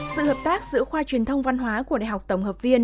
sự hợp tác giữa khoa truyền thông văn hóa của đại học tổng hợp viên